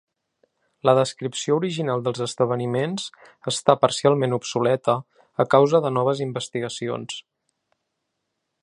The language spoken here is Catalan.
La descripció original dels esdeveniments està parcialment obsoleta a causa de noves investigacions.